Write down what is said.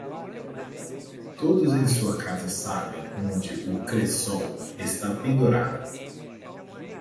Todos em sua casa sabem onde o cresol está pendurado.